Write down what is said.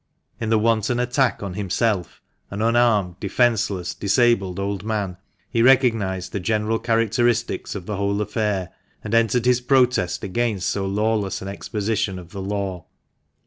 In the wanton attack on himself, an unarmed, defenceless, disabled old man, he recognised the general characteristics of the whole affair, igo THE MANCHESTER MAN. and entered his protest against so lawless an exposition of the law.